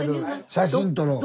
写真撮ろう。